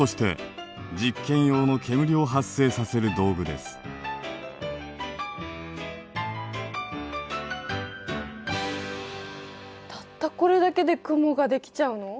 そしてたったこれだけで雲ができちゃうの？